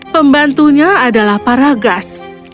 pembantunya adalah paragas